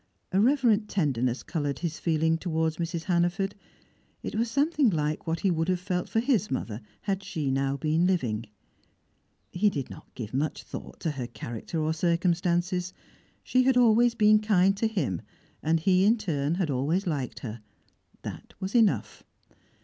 A reverent tenderness coloured his feeling towards Mrs. Hannaford; it was something like what he would have felt for his mother had she now been living. He did not give much thought to her character or circumstances; she had always been kind to him, and he in turn had always liked her: that was enough.